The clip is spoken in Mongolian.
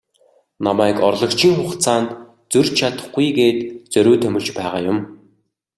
Намайг орлогчийн хугацаанд зөрж чадахгүй гээд зориуд томилж байгаа юм.